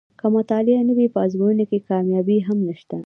که مطالعه نه وي په ازموینو کې کامیابي هم نشته.